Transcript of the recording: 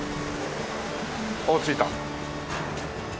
おっ着いた。